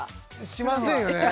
しませんよね